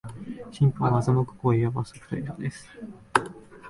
審判を欺く行為は罰則対象です